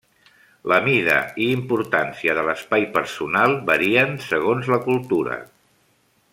La mida i importància de l'espai personal varien segons la cultura.